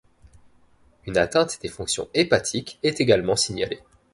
Une atteinte des fonctions hépatiques est également signalée.